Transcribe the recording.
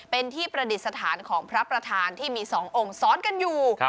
เป็นที่ประดิษฐานของพระประธานที่มี๒องค์ซ้อนกันอยู่